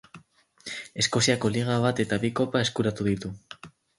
Eskoziako Liga bat eta bi kopa eskuratu ditu.